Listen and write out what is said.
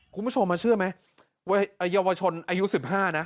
คุณผู้ชมมาเชื่อไหมว่ายาวชนอายุสิบห้านะ